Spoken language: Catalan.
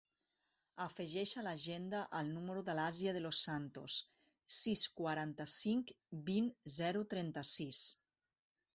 Afegeix a l'agenda el número de l'Asia De Los Santos: sis, quaranta-cinc, vint, zero, trenta-sis.